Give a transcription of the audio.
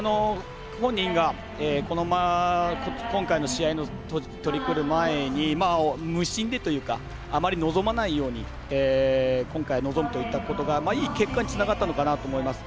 本人が、今回の試合に取り組む前に、無心でというかあまり望まないように今回臨むといったことがいい結果につながったのかなと思います。